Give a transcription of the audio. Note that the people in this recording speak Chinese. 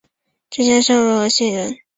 浙江仁和县人。